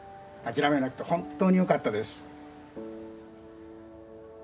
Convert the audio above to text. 諦めなくて本当によかったです。